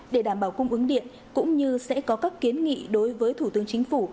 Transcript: để đảm bảo cung ứng điện cũng như sẽ có các kiến nghị đối với thủ tướng chính phủ